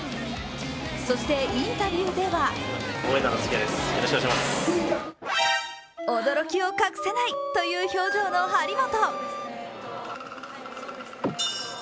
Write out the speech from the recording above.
そしてインタビューでは驚きを隠せないという表情の張本。